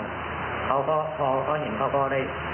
พอเขาเห็นเขาก็ได้ย้อนรถกลับมาพอเหตุ